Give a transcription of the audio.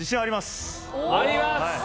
「あります」